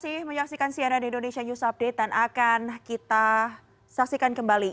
terima kasih menyaksikan cnn indonesia news update dan akan kita saksikan kembali